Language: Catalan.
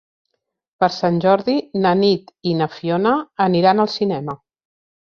Per Sant Jordi na Nit i na Fiona aniran al cinema.